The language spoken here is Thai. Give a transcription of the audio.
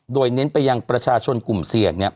โดยเน้นไปยังประชาชนกลุ่มเสี่ยงเนี่ย